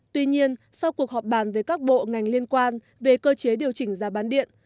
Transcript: tuy nhiên sau cuộc họp bàn về các bộ ngành liên quan về cơ chế điều chỉnh giá bán điện